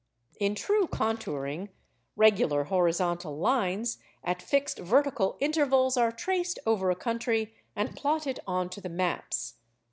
In true contouring, regular horizontal lines, at fixed vertical intervals, are traced over a country, and plotted on to the maps.